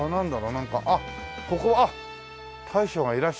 なんかあっここあっ大将がいらっしゃる。